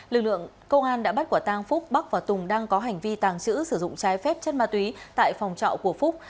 lực lượng công an đã bắt quả tang phúc bắc và tùng đang có hành vi tàng trữ sử dụng trái phép chất ma túy tại phòng trọ của phúc